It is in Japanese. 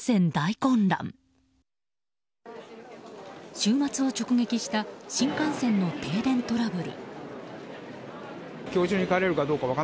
週末を直撃した新幹線の停電トラブル。